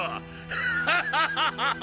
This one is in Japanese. ハハハハハ！